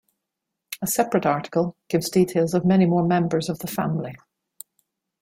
A separate article gives details of many more members of the family.